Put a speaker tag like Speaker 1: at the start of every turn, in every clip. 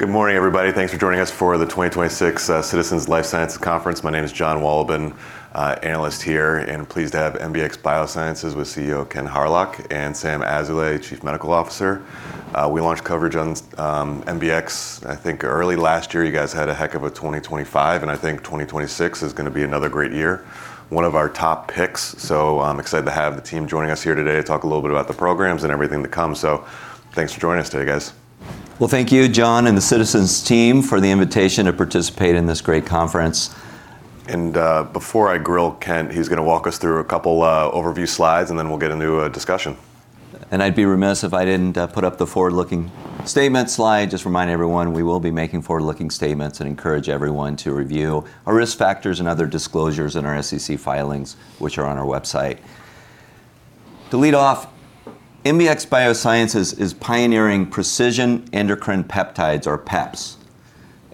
Speaker 1: Good morning, everybody. Thanks for joining us for the 2026 Citizens Life Sciences Conference. My name is John Wahlbon, analyst here, and pleased to have MBX Biosciences with CEO Kent Hawryluk and Salomon Azoulay, Chief Medical Officer. We launched coverage on MBX, I think early last year. You guys had a heck of a 2025, and I think 2026 is gonna be another great year. One of our top picks, so I'm excited to have the team joining us here today to talk a little bit about the programs and everything to come. Thanks for joining us today, guys.
Speaker 2: Well, thank you, John Wahlbon, and the Citizens team for the invitation to participate in this great conference.
Speaker 1: Before I grill Ken, he's gonna walk us through a couple overview slides, and then we'll get into a discussion.
Speaker 2: I'd be remiss if I didn't put up the forward-looking statement slide. Just remind everyone, we will be making forward-looking statements and encourage everyone to review our risk factors and other disclosures in our SEC filings, which are on our website. To lead off, MBX Biosciences is pioneering Precision Endocrine Peptides, or PEPs.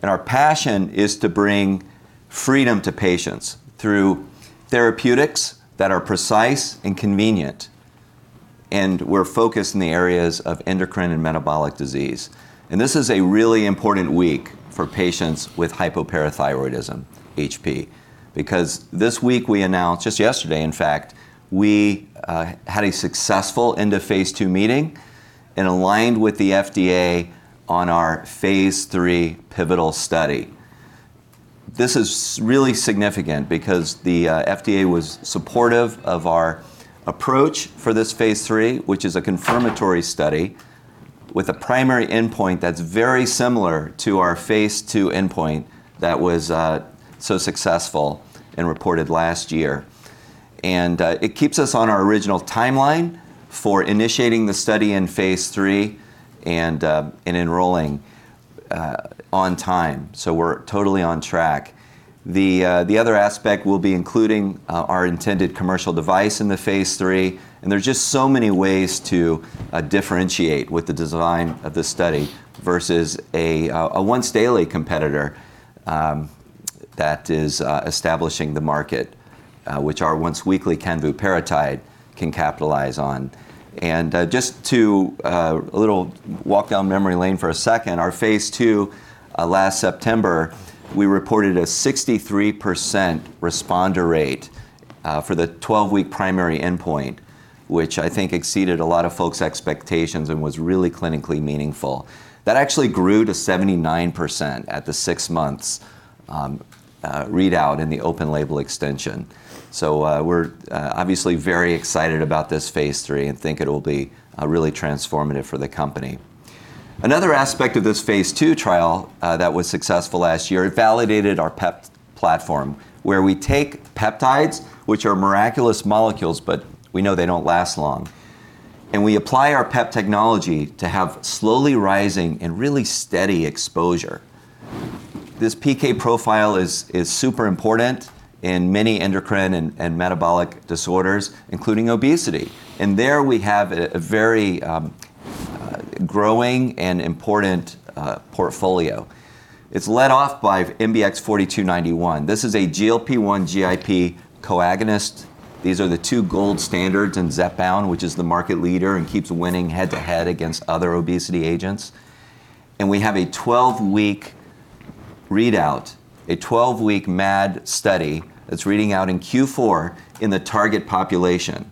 Speaker 2: Our passion is to bring freedom to patients through therapeutics that are precise and convenient, and we're focused in the areas of endocrine and metabolic disease. This is a really important week for patients with hypoparathyroidism, HP, because this week we announced, just yesterday in fact, we had a successful end-of-phase two meeting and aligned with the FDA on our phase three pivotal study. This is really significant because the FDA was supportive of our approach for this phase three, which is a confirmatory study with a primary endpoint that's very similar to our phase two endpoint that was so successful and reported last year. It keeps us on our original timeline for initiating the study in phase three and enrolling on time. We're totally on track. The other aspect will be including our intended commercial device in the phase three, and there's just so many ways to differentiate with the design of the study versus a once-daily competitor that is establishing the market, which our once-weekly Kenvuparatide can capitalize on. Just to a little walk down memory lane for a second, our phase two last September, we reported a 63% responder rate for the 12-week primary endpoint, which I think exceeded a lot of folks' expectations and was really clinically meaningful. That actually grew to 79% at the six months readout in the open label extension. We're obviously very excited about this phase three and think it'll be really transformative for the company. Another aspect of this phase two trial that was successful last year, it validated our PEP platform, where we take peptides, which are miraculous molecules, but we know they don't last long, and we apply our PEP technology to have slowly rising and really steady exposure. This PK profile is super important in many endocrine and metabolic disorders, including obesity. There we have a very growing and important portfolio. It's led off by MBX 4291. This is a GLP-1 GIP co-agonist. These are the two gold standards in Zepbound, which is the market leader and keeps winning head-to-head against other obesity agents. We have a 12-week readout, a 12-week MAD study that's reading out in Q4 in the target population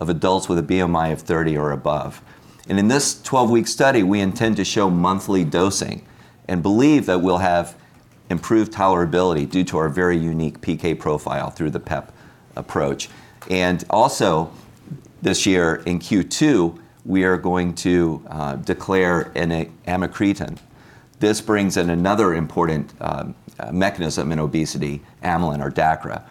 Speaker 2: of adults with a BMI of 30 or above. In this 12-week study, we intend to show monthly dosing and believe that we'll have improved tolerability due to our very unique PK profile through the PEP approach. Also this year in Q2, we are going to declare an amycretin. This brings in another important mechanism in obesity, amylin or DACRA.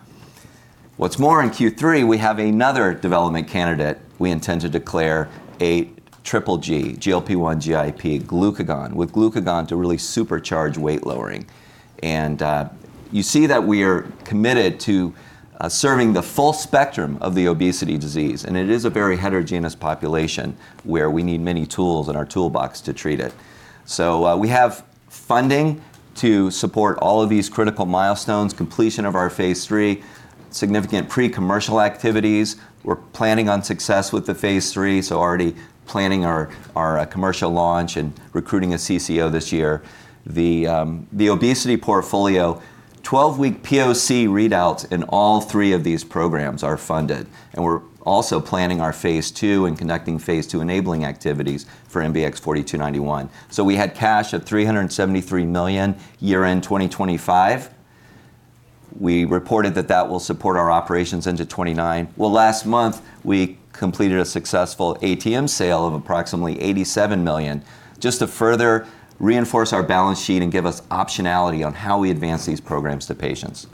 Speaker 2: What's more, in Q3, we have another development candidate we intend to declare a triple G, GLP-1, GIP, glucagon, with glucagon to really supercharge weight lowering. You see that we are committed to serving the full spectrum of the obesity disease, and it is a very heterogeneous population where we need many tools in our toolbox to treat it. We have funding to support all of these critical milestones, completion of our phase three, significant pre-commercial activities. We're planning on success with the phase three, so already planning our commercial launch and recruiting a CCO this year. The obesity portfolio, 12-week POC readouts in all three of these programs are funded, and we're also planning our phase two and conducting phase two enabling activities for MBX 4291. We had cash at $373 million year-end 2025. We reported that will support our operations into 2029. Well, last month, we completed a successful ATM sale of approximately $87 million just to further reinforce our balance sheet and give us optionality on how we advance these programs to patients.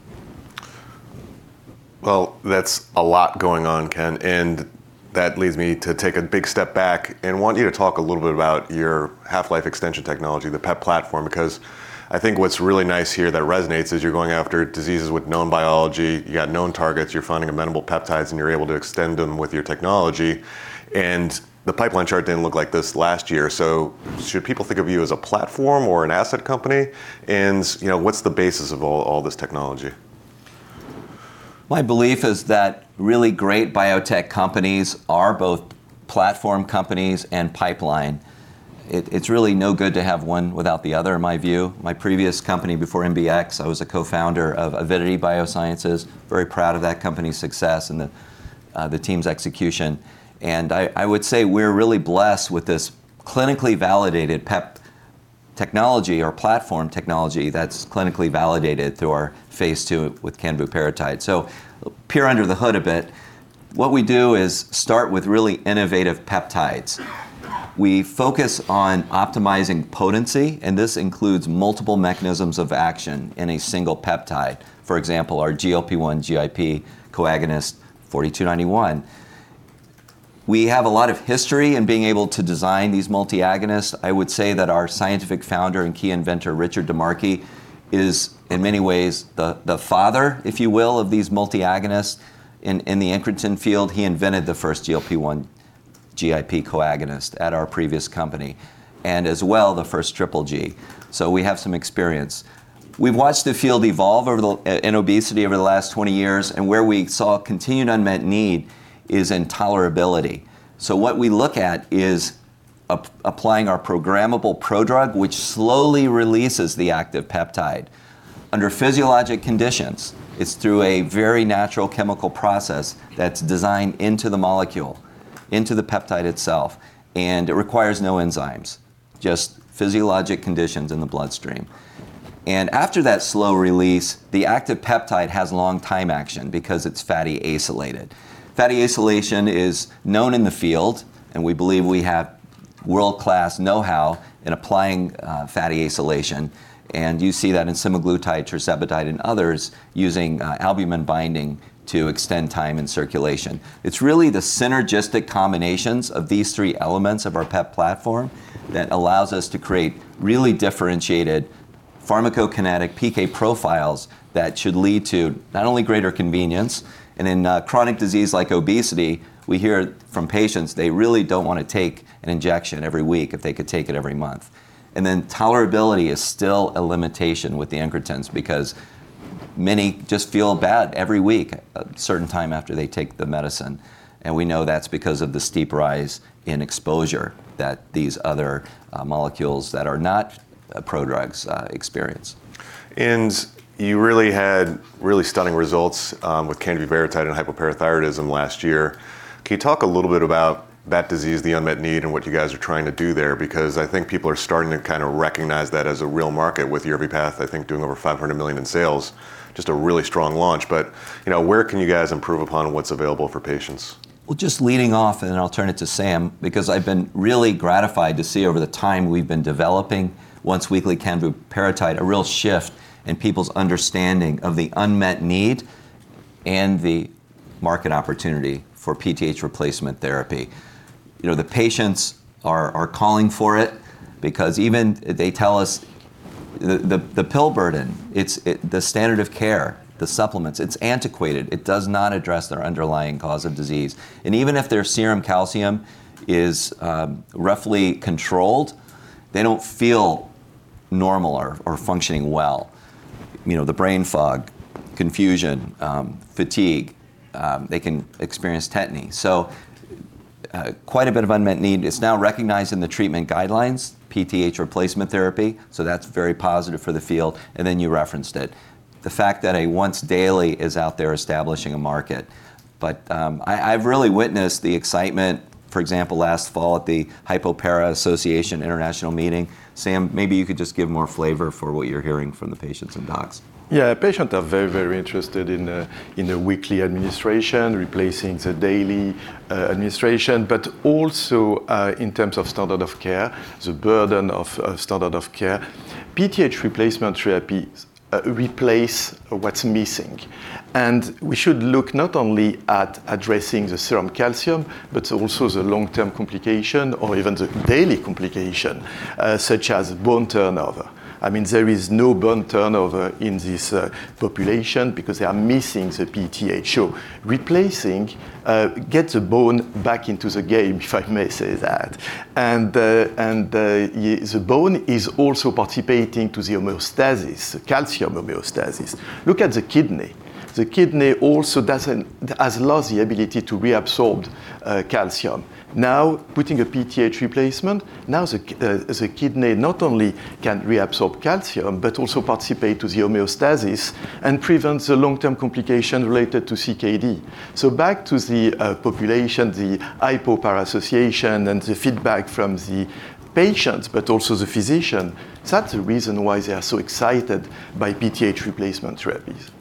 Speaker 1: Well, that's a lot going on, Ken, and that leads me to take a big step back and want you to talk a little bit about your half-life extension technology, the PEP platform, because I think what's really nice here that resonates is you're going after diseases with known biology, you got known targets, you're finding amenable peptides, and you're able to extend them with your technology. The pipeline chart didn't look like this last year. Should people think of you as a platform or an asset company? And what's the basis of all this technology?
Speaker 2: My belief is that really great biotech companies are both platform companies and pipeline. It's really no good to have one without the other, in my view. My previous company before MBX, I was a co-founder of Avidity Biosciences, very proud of that company's success and the team's execution, and I would say we're really blessed with this clinically validated PEP technology or platform technology that's clinically validated through our phase two with Kenvuparatide. Peek under the hood a bit, what we do is start with really innovative peptides. We focus on optimizing potency, and this includes multiple mechanisms of action in a single peptide. For example, our GLP-1/GIP co-agonist MBX 4291. We have a lot of history in being able to design these multi-agonists. I would say that our scientific founder and key inventor, Richard DiMarchi, is, in many ways, the father, if you will, of these multi-agonists in the incretin field. He invented the first GLP-1/GIP co-agonist at our previous company, and as well, the first triple G. We have some experience. We've watched the field evolve in obesity over the last 20 years, and where we saw continued unmet need is in tolerability. What we look at is applying our programmable prodrug, which slowly releases the active peptide. Under physiologic conditions, it's through a very natural chemical process that's designed into the molecule, into the peptide itself, and it requires no enzymes, just physiologic conditions in the bloodstream. After that slow release, the active peptide has long time action because it's fatty acylated. Fatty acylation is known in the field, and we believe we have world-class know-how in applying fatty acylation, and you see that in semaglutide, tirzepatide, and others using albumin binding to extend time and circulation. It's really the synergistic combinations of these three elements of our PEP platform that allows us to create really differentiated pharmacokinetic PK profiles that should lead to not only greater convenience, and in chronic disease like obesity. We hear from patients they really don't want to take an injection every week if they could take it every month. Tolerability is still a limitation with the incretins because many just feel bad every week, a certain time after they take the medicine, and we know that's because of the steep rise in exposure that these other molecules that are not prodrugs experience.
Speaker 1: You really had stunning results with Kenvuparatide and hypoparathyroidism last year. Can you talk a little bit about that disease, the unmet need, and what you guys are trying to do there? Because I think people are starting to kind of recognize that as a real market with Yorvipex, I think, doing over $500 million in sales, just a really strong launch. Where can you guys improve upon what's available for patients?
Speaker 2: Well, just leading off, and then I'll turn it to Sam, because I've been really gratified to see over the time we've been developing once-weekly Kenvuparatide a real shift in people's understanding of the unmet need and the market opportunity for PTH replacement therapy. The patients are calling for it because even they tell us the pill burden, it's the standard of care, the supplements, it's antiquated. It does not address their underlying cause of disease. Even if their serum calcium is roughly controlled, they don't feel normal or functioning well. The brain fog, confusion, fatigue, they can experience tetany. Quite a bit of unmet need. It's now recognized in the treatment guidelines, PTH replacement therapy, so that's very positive for the field, and then you referenced it. The fact that a once-daily is out there establishing a market. I've really witnessed the excitement, for example, last fall at the Hypoparathyroidism Association International meeting. Sam, maybe you could just give more flavor for what you're hearing from the patients and docs.
Speaker 3: Yeah, patients are very, very interested in the weekly administration, replacing the daily administration, but also in terms of standard of care, the burden of standard of care. PTH replacement therapy replace what's missing. We should look not only at addressing the serum calcium, but also the long-term complication or even the daily complication, such as bone turnover. I mean, there is no bone turnover in this population because they are missing the PTH. So replacing gets the bone back into the game, if I may say that. The bone is also participating to the homeostasis, calcium homeostasis. Look at the kidney. The kidney also has lost the ability to reabsorb calcium. Now, putting a PTH replacement, the kidney not only can reabsorb calcium, but also participate to the homeostasis and prevents a long-term complication related to CKD. Back to the population, the Hypoparathyroidism Association, and the feedback from the patients, but also the physician, that's the reason why they are so excited by PTH replacement therapies.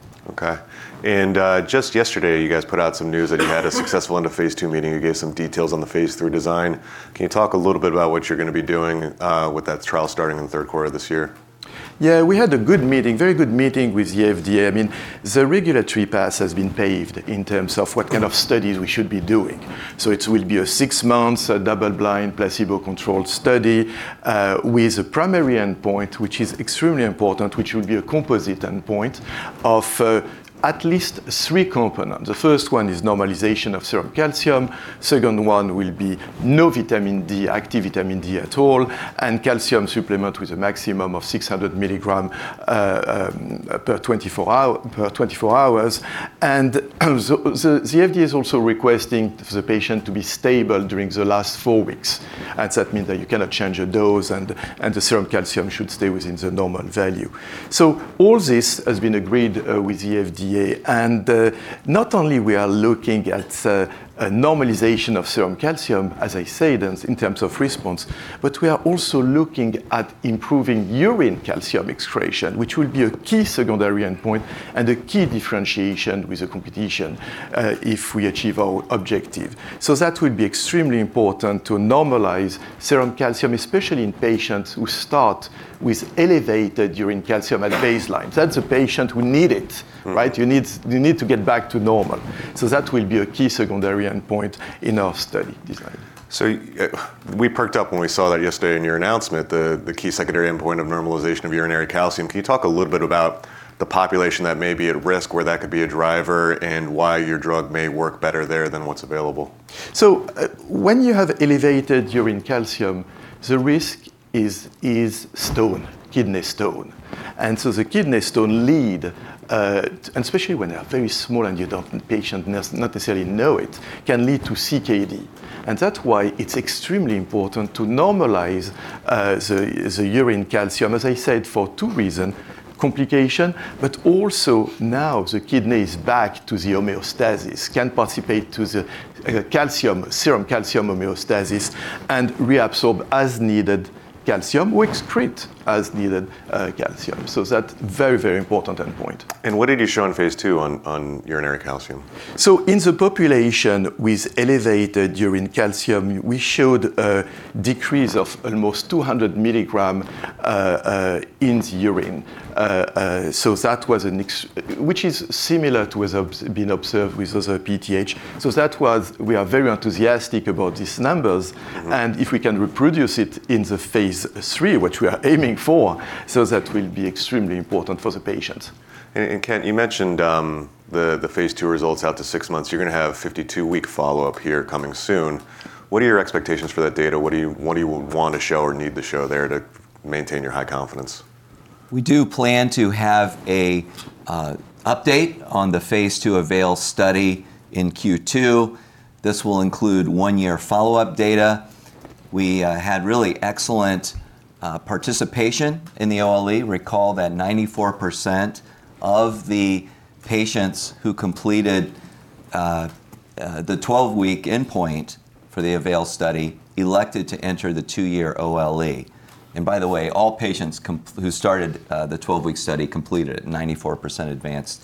Speaker 1: Just yesterday, you guys put out some news that you had a successful end of phase three meeting. You gave some details on the phase three design. Can you talk a little bit about what you're gonna be doing with that trial starting in the third quarter of this year?
Speaker 3: Yeah, we had a good meeting, very good meeting with the FDA. I mean, the regulatory path has been paved in terms of what kind of studies we should be doing. It will be a six months, a double-blind, placebo-controlled study, with a primary endpoint, which is extremely important, which will be a composite endpoint of, at least three components. The first one is normalization of serum calcium. Second one will be no vitamin D, active vitamin D at all, and calcium supplement with a maximum of 600 milligram, per 24 hours. The FDA is also requesting the patient to be stable during the last four weeks. That mean that you cannot change your dose and the serum calcium should stay within the normal value. All this has been agreed with the FDA, and not only we are looking at a normalization of serum calcium, as I said, in terms of response, but we are also looking at improving urine calcium excretion, which will be a key secondary endpoint and a key differentiation with the competition, if we achieve our objective. That would be extremely important to normalize serum calcium, especially in patients who start with elevated urine calcium at baseline. That's a patient who need it, right? You need to get back to normal. That will be a key secondary endpoint in our study design.
Speaker 1: We perked up when we saw that yesterday in your announcement, the key secondary endpoint of normalization of urinary calcium. Can you talk a little bit about the population that may be at risk, where that could be a driver, and why your drug may work better there than what's available?
Speaker 3: When you have elevated urine calcium, the risk is kidney stone. The kidney stone leads, and especially when they are very small and the patient does not necessarily know it, can lead to CKD. That's why it's extremely important to normalize the urine calcium, as I said, for two reason, complication, but also now the kidney is back to the homeostasis, can participate to the calcium, serum calcium homeostasis and reabsorb as needed calcium or excrete as needed calcium. That very, very important endpoint.
Speaker 1: What did you show in phase two on urinary calcium?
Speaker 3: In the population with elevated urine calcium, we showed a decrease of almost 200 milligrams in the urine, which is similar to what has been observed with other PTH. We are very enthusiastic about these numbers.
Speaker 1: Mm-hmm.
Speaker 3: If we can reproduce it in the phase three, which we are aiming for, so that will be extremely important for the patients.
Speaker 1: Kent, you mentioned the phase two results out to six months. You're gonna have 52-week follow-up here coming soon. What are your expectations for that data? What do you want to show or need to show there to maintain your high confidence?
Speaker 2: We do plan to have an update on the phase two Avail study in Q2. This will include one-year follow-up data. We had really excellent participation in the OLE. Recall that 94% of the patients who completed the twelve-week endpoint for the Avail study elected to enter the two-year OLE. By the way, all patients who started the twelve-week study completed it, 94% advanced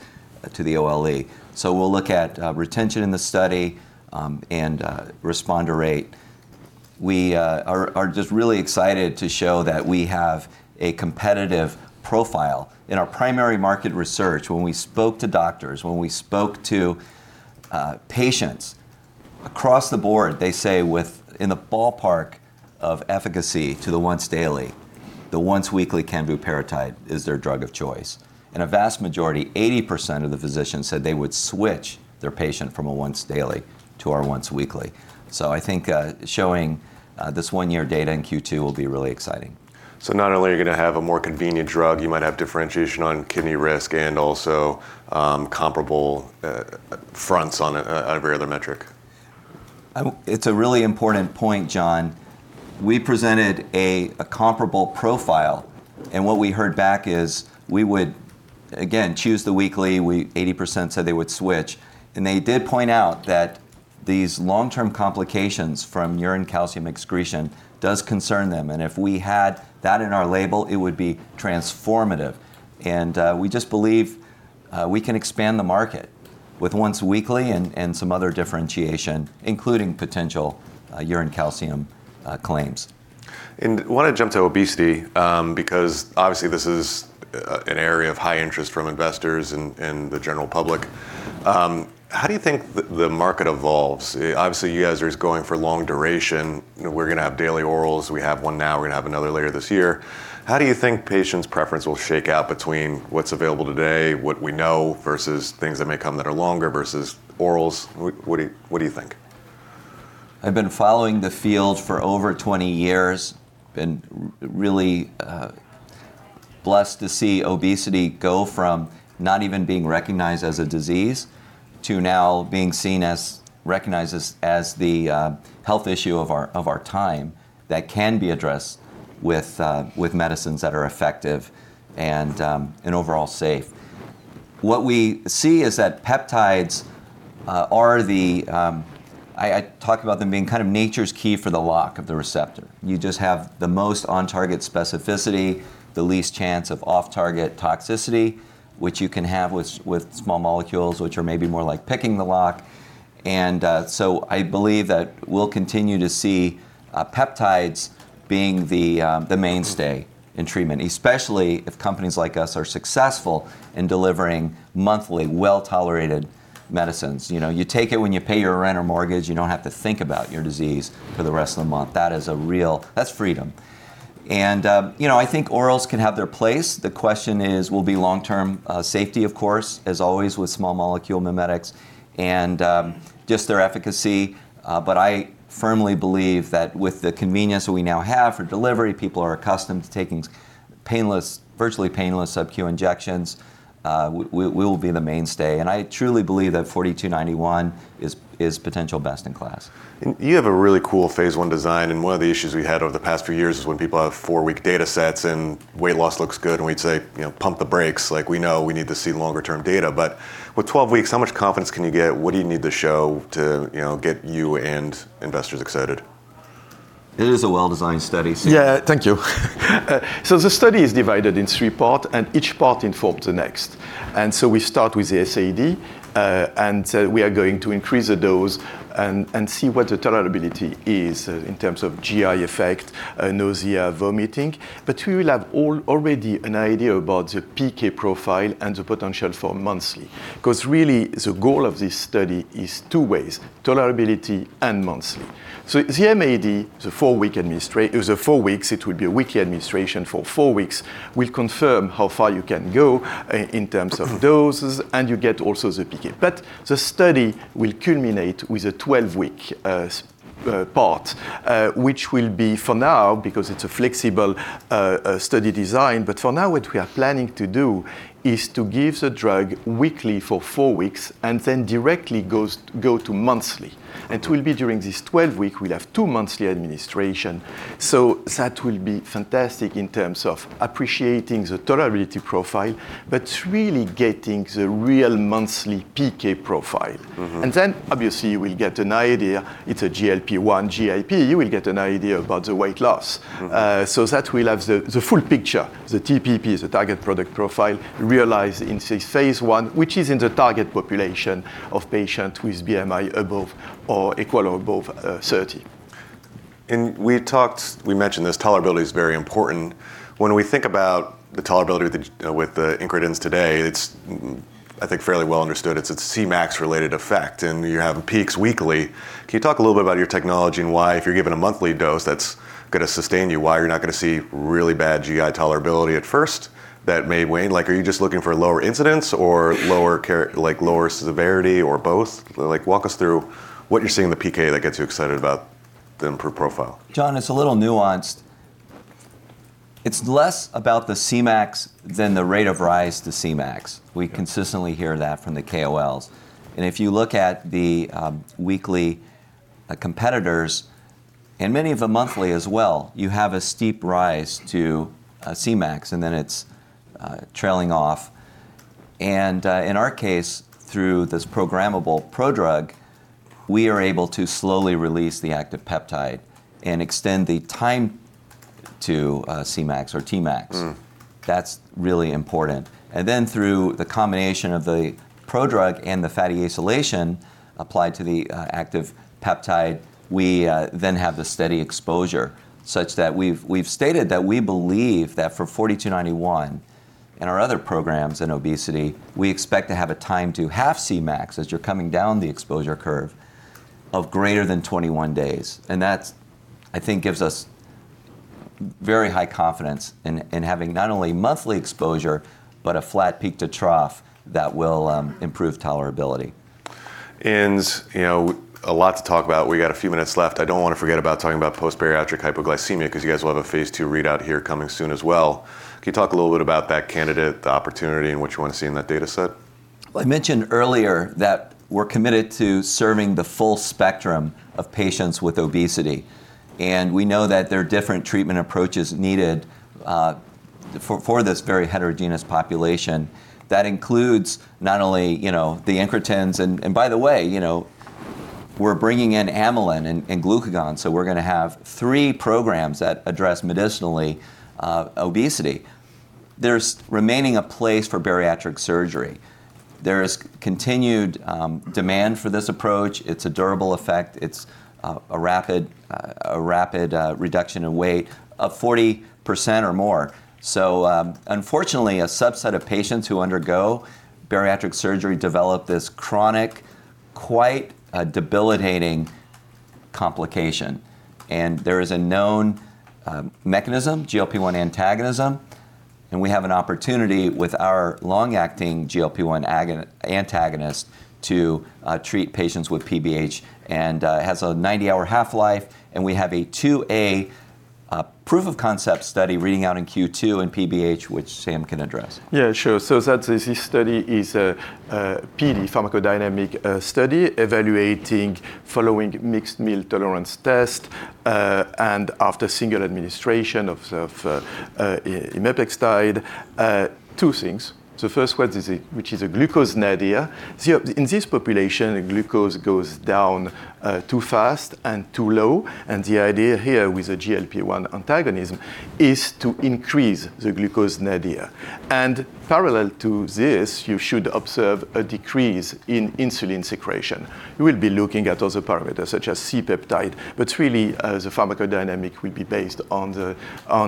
Speaker 2: to the OLE. We'll look at retention in the study and responder rate. We are just really excited to show that we have a competitive profile. In our primary market research, when we spoke to doctors, when we spoke to patients, across the board, they say with, in the ballpark of efficacy to the once daily, the once weekly Kenvuparatide is their drug of choice. A vast majority, 80% of the physicians said they would switch their patient from a once daily to our once weekly. I think showing this one-year data in Q2 will be really exciting.
Speaker 1: not only are you gonna have a more convenient drug, you might have differentiation on kidney risk and also comparable fronts on out of every other metric.
Speaker 2: It's a really important point, John. We presented a comparable profile, and what we heard back is we would again choose the weekly. 80% said they would switch. They did point out that these long-term complications from urine calcium excretion does concern them, and if we had that in our label, it would be transformative. We just believe we can expand the market with once weekly and some other differentiation, including potential urine calcium claims.
Speaker 1: I wanna jump to obesity, because obviously this is an area of high interest from investors and the general public. How do you think the market evolves? Obviously, you guys are going for long duration. You know, we're gonna have daily orals. We have one now, we're gonna have another later this year. How do you think patients' preference will shake out between what's available today, what we know, versus things that may come that are longer, versus orals? What do you think?
Speaker 2: I've been following the field for over 20 years, been really blessed to see obesity go from not even being recognized as a disease to now being seen as recognized as the health issue of our time that can be addressed with medicines that are effective and overall safe. What we see is that peptides are the. I talk about them being kind of nature's key for the lock of the receptor. You just have the most on-target specificity, the least chance of off-target toxicity, which you can have with small molecules, which are maybe more like picking the lock. I believe that we'll continue to see peptides being the mainstay in treatment, especially if companies like us are successful in delivering monthly, well-tolerated medicines. You know, you take it when you pay your rent or mortgage, you don't have to think about your disease for the rest of the month. That is a real. That's freedom. You know, I think orals can have their place. The question is, will it be long-term safety, of course, as always with small molecule mimetics and just their efficacy. I firmly believe that with the convenience we now have for delivery, people are accustomed to taking painless, virtually painless subQ injections, we will be the mainstay. I truly believe that 4291 is potential best in class.
Speaker 1: You have a really cool phase one design, and one of the issues we had over the past few years is when people have four-week data sets and weight loss looks good and we'd say, you know, "Pump the brakes," like, we know we need to see longer term data. With 12 weeks, how much confidence can you get? What do you need to show to, you know, get you and investors excited?
Speaker 2: It is a well-designed study, Sam.
Speaker 3: Yeah. Thank you. So the study is divided in three part, and each part informs the next. So we start with the SAD, and we are going to increase the dose and see what the tolerability is in terms of GI effect, nausea, vomiting. But we will have already an idea about the PK profile and the potential for monthly, 'cause really the goal of this study is two ways, tolerability and monthly. So the MAD, the four-week administration, it will be a weekly administration for four weeks, will confirm how far you can go in terms of doses, and you get also the PK. The study will culminate with a 12-week part, which will be for now because it's a flexible study design. For now what we are planning to do is to give the drug weekly for four weeks and then directly go to monthly. It will be during this 12-week, we'll have two monthly administrations, so that will be fantastic in terms of appreciating the tolerability profile, but really getting the real monthly PK profile.
Speaker 1: Mm-hmm.
Speaker 3: Obviously we'll get an idea. It's a GLP-1, GIP, you will get an idea about the weight loss.
Speaker 1: Mm-hmm.
Speaker 3: that we'll have the full picture, the TPP, the target product profile, realized in phase one, which is in the target population of patient with BMI above or equal or above 30.
Speaker 1: We talked, we mentioned this tolerability is very important. When we think about the tolerability with the incretins today, it's I think fairly well understood it's a Cmax related effect, and you have peaks weekly. Can you talk a little bit about your technology and why if you're given a monthly dose that's going to sustain you, why you're not going to see really bad GI tolerability at first that may wane? Like are you just looking for lower incidence or lower severity or both? Like walk us through what you're seeing in the PK that gets you excited about the profile.
Speaker 2: John, it's a little nuanced. It's less about the Cmax than the rate of rise to Cmax.
Speaker 1: Okay.
Speaker 2: We consistently hear that from the KOLs. If you look at the weekly competitors and many of the monthly as well, you have a steep rise to Cmax, and then it's trailing off. In our case, through this programmable prodrug, we are able to slowly release the active peptide and extend the time to Cmax or Tmax.
Speaker 1: Mm.
Speaker 2: That's really important. Then through the combination of the prodrug and the fatty acylation applied to the active peptide, we then have the steady exposure such that we've stated that we believe that for 4291 and our other programs in obesity, we expect to have a time to half Cmax, as you're coming down the exposure curve, of greater than 21 days. That's, I think gives us very high confidence in having not only monthly exposure, but a flat peak to trough that will improve tolerability.
Speaker 1: You know, a lot to talk about. We got a few minutes left. I don't want to forget about talking about post-bariatric hypoglycemia, because you guys will have a phase two readout here coming soon as well. Can you talk a little bit about that candidate, the opportunity, and what you want to see in that data set?
Speaker 2: Well, I mentioned earlier that we're committed to serving the full spectrum of patients with obesity, and we know that there are different treatment approaches needed for this very heterogeneous population. That includes not only, you know, the incretins, and by the way, you know, we're bringing in amylin and glucagon, so we're going to have three programs that address medicinally obesity. There's remaining a place for bariatric surgery. There is continued demand for this approach. It's a durable effect. It's a rapid reduction in weight of 40% or more. Unfortunately, a subset of patients who undergo bariatric surgery develop this chronic, quite debilitating complication, and there is a known mechanism, GLP-1 antagonism, and we have an opportunity with our long-acting GLP-1 antagonist to treat patients with PBH. It has a 90-hour half-life, and we have a 2A proof of concept study reading out in Q2 in PBH, which Sam can address.
Speaker 3: Yeah, sure. This study is a PD pharmacodynamic study evaluating following mixed meal tolerance test and after single administration of Imapextide. Two things. The first one is a glucose nadir. In this population, glucose goes down too fast and too low, and the idea here with the GLP-1 antagonism is to increase the glucose nadir. Parallel to this, you should observe a decrease in insulin secretion. We will be looking at other parameters such as C-peptide, but really, the pharmacodynamic will be based on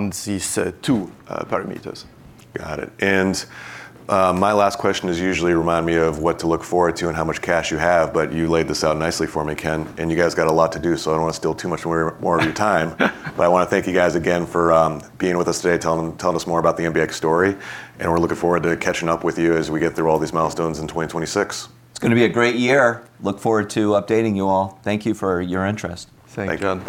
Speaker 3: these two parameters.
Speaker 1: Got it. My last question is usually remind me of what to look forward to and how much cash you have, but you laid this out nicely for me, Ken. You guys got a lot to do, so I don't want to steal too much more of your time. I want to thank you guys again for being with us today, telling us more about the MBX story, and we're looking forward to catching up with you as we get through all these milestones in 2026.
Speaker 2: It's going to be a great year. Look forward to updating you all. Thank you for your interest.
Speaker 3: Thank you.
Speaker 1: Thank you.